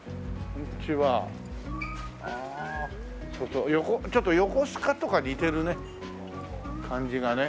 あそうそうちょっと横須賀とか似てるね感じがね。